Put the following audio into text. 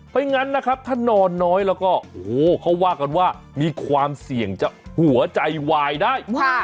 อย่างนั้นนะครับถ้านอนน้อยแล้วก็โอ้โหเขาว่ากันว่ามีความเสี่ยงจะหัวใจวายได้